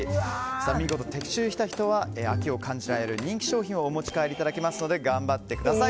見事的中した人は秋を感じられる人気商品をお持ち帰りいただけますので頑張ってください。